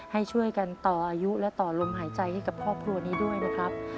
ให้ช่วยกันต่ออายุและต่อลมหายใจให้กับครอบครัวนี้ด้วยนะครับ